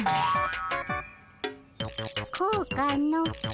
こうかの？